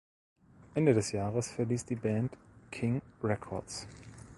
Ende des Jahres verließ die Band King Records.